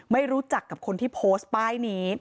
ไม่รู้จักกับคนที่โพสต์ป้ายนี้